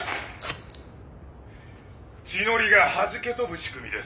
血のりがはじけ飛ぶ仕組みです。